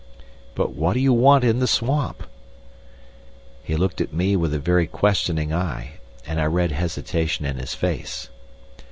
"But what do you want in the swamp?" He looked at me with a very questioning eye, and I read hesitation in his face.